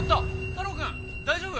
太郎くん大丈夫？